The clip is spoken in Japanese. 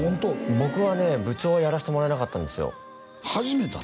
僕はね部長はやらしてもらえなかったんですよ始めたん？